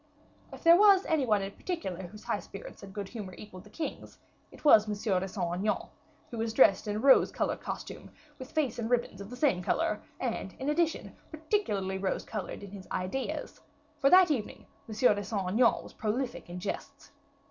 If there was any one in particular whose high spirits and good humor equalled the king's, it was M. de Saint Aignan, who was dressed in a rose colored costume, with face and ribbons of the same color, and, in addition, particularly rose colored in his ideas, for that evening M. de Saint Aignan was prolific in jests.